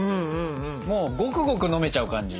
もうごくごく飲めちゃう感じ。